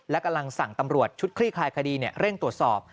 และกำลังสั่งตำรวจชุดคลี่คลายคดีเร่งตรวจสอบ